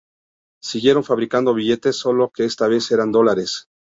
Siguieron fabricando billetes, solo que esta vez eran dólares.